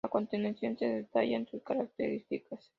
A continuación se detallan sus características.